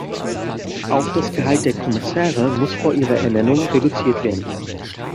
Auch das Gehalt der Kommissare muss vor ihrer Ernennung reduziert werden.